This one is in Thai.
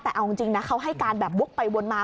แต่เอาจริงนะเขาให้การแบบวกไปวนมา